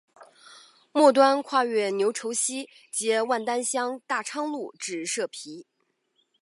末端跨越牛稠溪接万丹乡大昌路至社皮。